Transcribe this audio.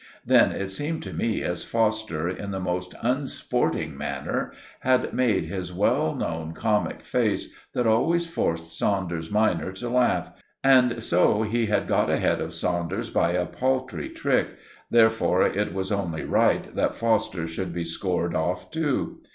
Then it seemed to me as Foster, in the most unsporting manner, had made his well known comic face that always forced Saunders minor to laugh, and so he had got ahead of Saunders by a paltry trick, therefore it was only right that Foster should be scored off too.